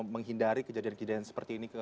menghindari kejadian kejadian seperti ini